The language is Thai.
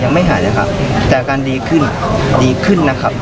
ยังไม่หายเลยค่ะแต่การดีขึ้นดีขึ้นนะครับ